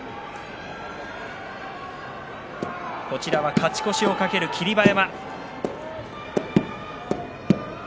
勝ち越しを懸ける霧馬山。